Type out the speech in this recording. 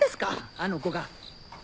あの子が！